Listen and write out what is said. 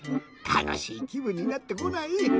たのしいきぶんになってこない？